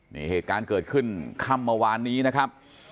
นี่เหตุการณ์เกิดขึ้นค่ำเมื่อวานนี้นะครับ